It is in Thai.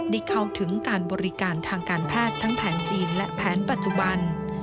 ได้เข้าถึงการบริการทางการแพทย์ทั้งแผนจีนและแผนปัจจุบัน